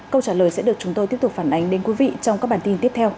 câu trả lời sẽ được chúng tôi tiếp tục phản ánh đến quý vị trong các bản tin tiếp theo